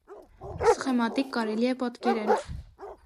Սխեմատիկ կարելի է պատկերել։